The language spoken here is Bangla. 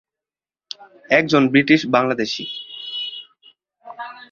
একজন ব্রিটিশ বাংলাদেশী।